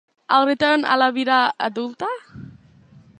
El retorn a la vida adulta.